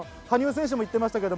羽生選手も言ってました。